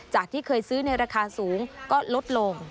ที่เคยซื้อในราคาสูงก็ลดลง